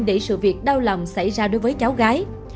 để sự việc đau lòng xảy ra đối với cháu gái